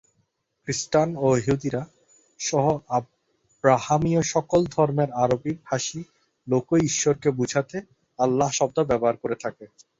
খ্রিস্টান এবং ইহুদিরা সহ আব্রাহামীয় সকল ধর্মের আরবি-ভাষী লোকই, "ঈশ্বর"কে বুঝাতে "আল্লাহ" শব্দ ব্যবহার করে থাকে।